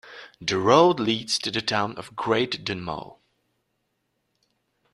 The road leads to the town of Great Dunmow.